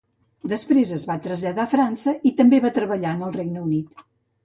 Després es va traslladar a França, i també va treballar en el Regne Unit.